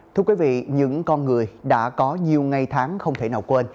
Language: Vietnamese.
thưa quý vị những con người đã có nhiều ngày tháng không thể nào quên